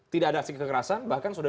tidak ada aksi kekerasan bahkan sudah